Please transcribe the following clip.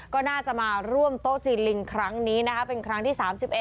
ก็น่าจะมาร่วมโต๊ะจีนลิงครั้งนี้นะคะเป็นครั้งที่๓๑